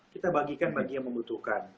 kita bagikan bagi yang membutuhkan